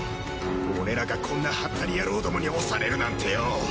俺らがこんなハッタリ野郎どもに押されるなんてよ。